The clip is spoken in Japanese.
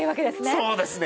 そうですね。